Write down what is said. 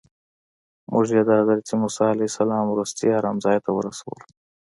موږ یې د حضرت موسی علیه السلام وروستي ارام ځای ته ورسولو.